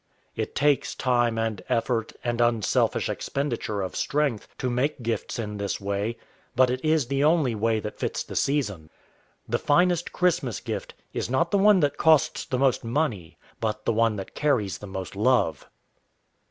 It takes time and effort and unselfish expenditure of strength to make gifts in this way. But it is the only way that fits the season. The finest Christmas gift is not the one that costs the most money, but the one that carries the most love.